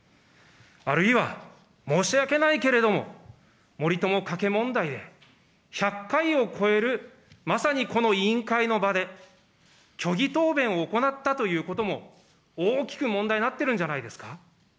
あるいは、申し訳ないけれども、森友・加計問題で、１００回を超える、まさにこの委員会の場で、虚偽答弁を行ったということも、大きく問題になってるんじゃないんですか。